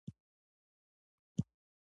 نجلۍ په تور کفن کې ځان نغاړلی